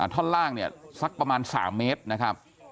ท่อนล่างเนี่ยสักประมาณ๓เมตรนะครับ